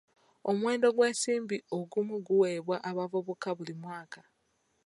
Omuwendo gw'ensimbi ogumu guweebwa abavubuka buli mwaka.